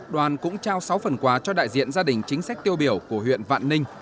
đoàn cũng trao sáu phần quà cho đại diện gia đình chính sách tiêu biểu của huyện vạn ninh